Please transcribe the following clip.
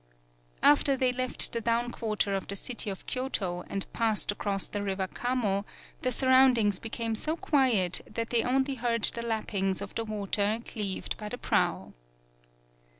After they left the down quarter of the city of Ky 8 TAKASE BUNE oto, and passed across the river Kamo, the surroundings became so quiet that they only heard the lappings of the water cleaved by the prow.